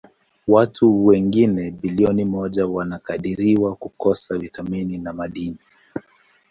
Watu wengine bilioni moja wanakadiriwa kukosa vitamini na madini.